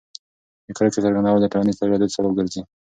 د کرکې څرګندول د ټولنیز تشدد سبب ګرځي.